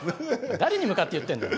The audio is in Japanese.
誰に向かって言ってんだよ。